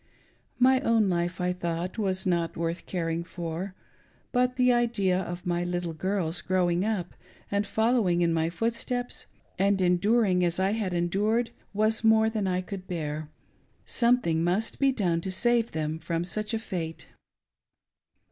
My own life, I thought, was not worth caring for, but the idea of my little girls growing up' and following in my footsteps and enduring as I had endtii^, wias' more than I could bear. Something must be doirte' to save them from such a fate.